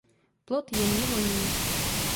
Plod jemně voní.